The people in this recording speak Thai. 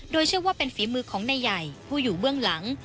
โดยเชื่อว่าเป็นฝีมือของนายใหญ่ผู้อยู่เบื้องหลัง